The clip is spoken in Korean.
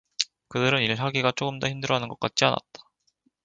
그들은 일 하기가 조금도 힘들어하는 것 같지 않았다.